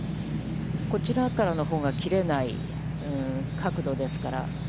こちらからのほうが切れない角度ですから。